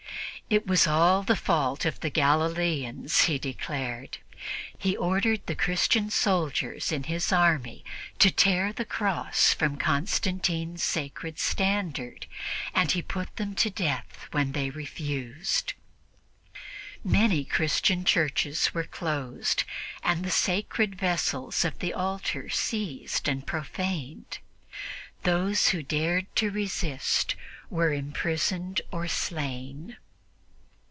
It was all the fault of the Galileans, he declared. He ordered the Christian soldiers in his army to tear the Cross from Constantine's sacred standard, and he put them to death when they refused. Many Christian churches were closed, and the sacred vessels of the altar seized and profaned. Those who dared resist were imprisoned or slain.